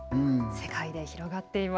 世界で広がっています。